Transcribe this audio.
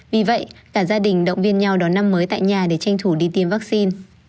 vì vậy cả gia đình động viên nhau đón năm mới tại nhà để tranh thủ đi tiêm vaccine